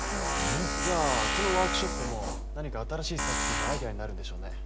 じゃあこのワークショップも何か新しい作品のアイデアになるんでしょうね。